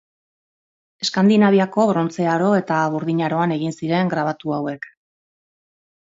Eskandinaviako Brontze Aro eta Burdin Aroan egin ziren grabatu hauek.